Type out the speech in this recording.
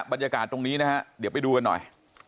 บรรยากาศตรงนี้นะฮะเดี๋ยวไปดูกันหน่อย